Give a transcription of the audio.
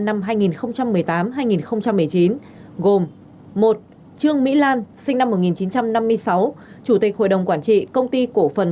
năm hai nghìn một mươi tám hai nghìn một mươi chín gồm một trương mỹ lan sinh năm một nghìn chín trăm năm mươi sáu chủ tịch hội đồng quản trị công ty cổ phần